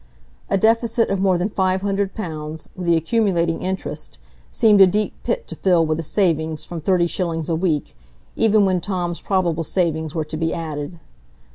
A deficit of more than five hundred pounds, with the accumulating interest, seemed a deep pit to fill with the savings from thirty shillings a week, even when Tom's probable savings were to be added.